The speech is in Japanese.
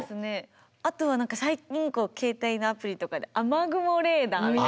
あとは何か最近携帯のアプリとかで雨雲レーダーみたいな。